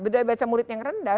beda baca murid yang rendah